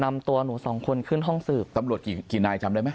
นำตัวหนูสองคนขึ้นห้องสืบตำรวจกี่กี่นายจำได้ไหม